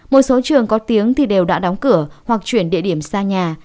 một số trường có tiếng thì đều đã đóng cửa hoặc chuyển địa điểm xa nhà